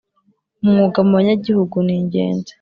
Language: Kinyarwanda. umwuga mu banyagihugu ningenzi